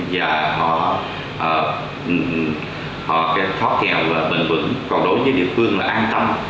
và họ thoát nghèo bền vững còn đối với địa phương là an tâm